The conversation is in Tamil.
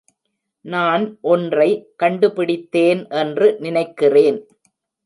நான் ஒன்றை கண்டுபிடித்தேன் என்று நினைக்கிறேன்